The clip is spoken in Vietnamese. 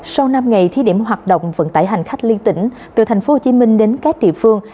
sau năm ngày thí điểm hoạt động vận tải hành khách liên tỉnh từ thành phố hồ chí minh đến các địa phương